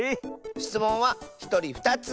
しつもんはひとり２つ。